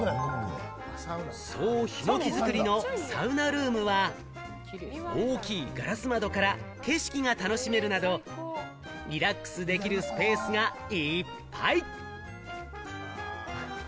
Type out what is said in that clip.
総ヒノキ造りのサウナルームは、大きいガラス窓から景色が楽しめるなど、リラックスできるスペースがいっぱい！